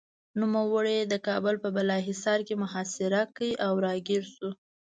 نوموړي یې د کابل په بالاحصار کې محاصره کړ او راګېر شو.